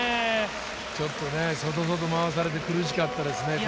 ちょっと外、外、回されて苦しかったですね。